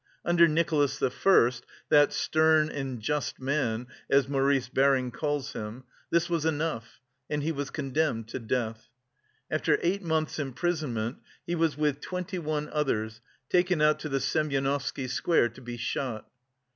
Under Nicholas I. (that "stern and just man," as Maurice Baring calls him) this was enough, and he was condemned to death. After eight months' imprisonment he was with twenty one others taken out to the Semyonovsky Square to be shot.